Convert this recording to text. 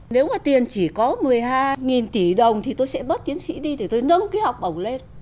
nếu mà tiền chỉ có một mươi hai tỷ đồng thì tôi sẽ bớt tiến sĩ đi để tôi nâng cái học bổng lên